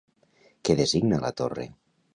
Què designa la torre?